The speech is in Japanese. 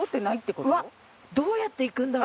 うわっどうやって行くんだろ？